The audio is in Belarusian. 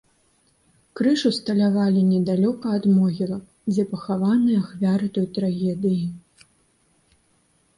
Крыж усталявалі недалёка ад могілак, дзе пахаваныя ахвяры той трагедыі.